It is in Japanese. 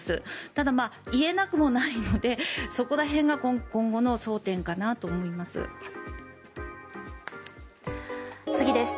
ただ、言えなくもないのでそこら辺が今後の争点かなと思います。